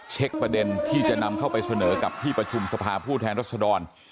ประเด็นที่จะนำเข้าไปเสนอกับที่ประชุมสภาผู้แทนรัศดร